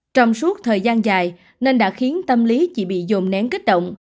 trong suốt thời gian dài nên đã khiến tâm lý chỉ bị dồn nén kích động